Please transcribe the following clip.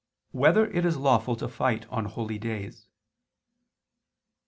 4] Whether It Is Lawful to Fight on Holy Days?